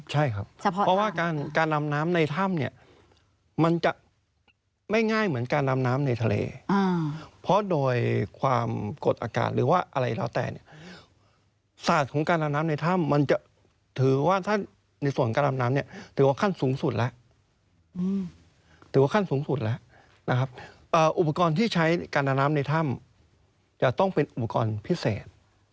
ใช่ครับเพราะว่าการดำน้ำในถ้ำเนี่ยมันจะไม่ง่ายเหมือนการดำน้ำในทะเลเพราะโดยความกดอากาศหรือว่าอะไรแล้วแต่เนี่ยศาสตร์ของการดำน้ำในถ้ำมันจะถือว่าถ้าในส่วนการดำน้ำเนี่ยถือว่าขั้นสูงสุดแล้วถือว่าขั้นสูงสุดแล้วนะครับอุปกรณ์ที่ใช้การดำน้ำในถ้ำจะต้องเป็นอุปกรณ์พิเศษ